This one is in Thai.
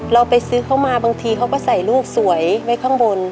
เราไปซื้อเขามาบางทีเขาก็ใส่รูปสวยไว้ข้างบน